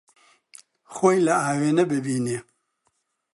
خۆی لە ئاوێنە بینی.